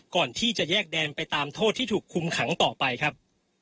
ก่อนที่จะแยกแดนไปตามโทษที่ถูกคุมขังต่อไปครับ